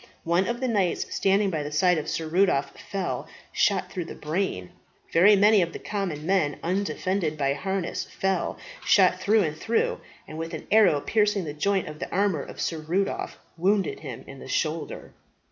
One of the knights standing by the side of Sir Rudolph fell, shot through the brain. Very many of the common men, undefended by harness, fell shot through and through; and an arrow piercing the joint of the armour of Sir Rudolph, wounded him in the shoulder.